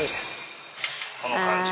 この感じ。